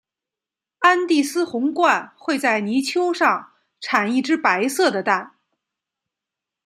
安第斯红鹳会在泥丘上产一只白色的蛋。